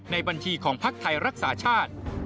ในบัญชีของภักดิ์ไทยรักษาชาติ